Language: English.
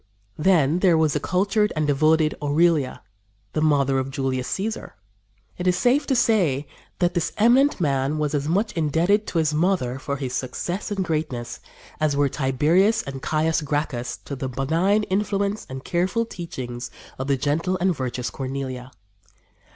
" Then there was the cultured and devoted Aurelia, the mother of Julius Cæsar. It is safe to say that this eminent man was as much indebted to his mother for his success and greatness as were Tiberius and Caius Gracchus to the benign influence and careful teachings of the gentle and virtuous Cornelia.